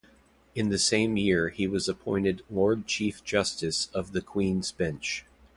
In the same year he was appointed Lord Chief Justice of the Queen's Bench.